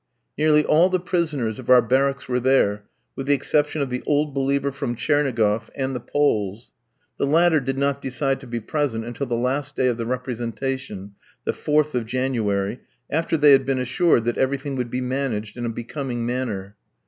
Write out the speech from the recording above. Nearly all the prisoners of our barracks were there, with the exception of the "old believer" from Tchernigoff, and the Poles. The latter did not decide to be present until the last day of the representation, the 4th of January, after they had been assured that everything would be managed in a becoming manner.